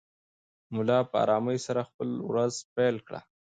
ملا په ارامۍ سره خپله ورځ پیل کړه.